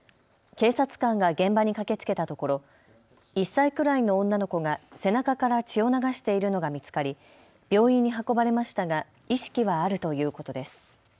警察官が現場に駆けつけたところ１歳くらいの女の子が背中から血を流しているのが見つかり病院に運ばれましたが意識はあるということです。